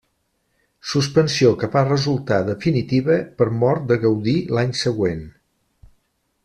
Suspensió que va resultar definitiva per mort de Gaudí l'any següent.